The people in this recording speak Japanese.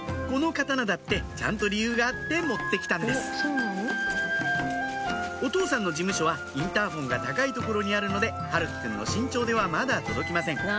この刀だってちゃんと理由があって持って来たんですお父さんの事務所はインターホンが高い所にあるので陽喜くんの身長ではまだ届きません